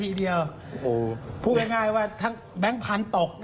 โอ้โหเยอะมากมายอะไรขนาดนี้ขอบคุณ